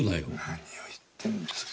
何を言ってるんですか。